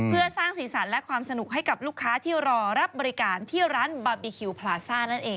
เพื่อสร้างสีสันและความสนุกให้กับลูกค้าที่รอรับบริการที่ร้านบาร์บีคิวพลาซ่านั่นเอง